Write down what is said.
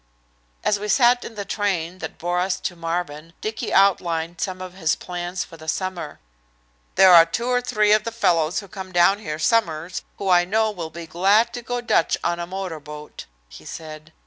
As we sat in the train that bore us to Marvin Dicky outlined some of his plans for the summer. "There are two or three of the fellows who come down here summers who I know will be glad to go Dutch on a motor boat," he said.